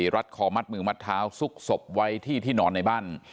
รัดคอมัดมือมัดเท้าซุกศพไว้ที่ที่นอนในบ้าน